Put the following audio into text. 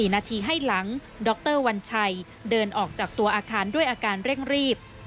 นาทีให้หลังดรวัญชัยเดินออกจากตัวอาคารด้วยอาการเร่งรีบ